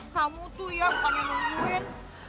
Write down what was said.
kamu tuh ya bukannya nungguin